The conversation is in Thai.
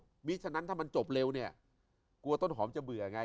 เพราะฉะนั้นถ้ามันจบเร็วเนี่ยกลัวต้นหอมจะเบื่อไง